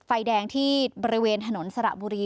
ไฟแดงที่บริเวณถนนสระบุรี